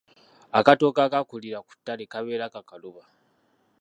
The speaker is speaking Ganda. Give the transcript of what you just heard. Akatooke akaakulira mu ttale kabeera kakaluba.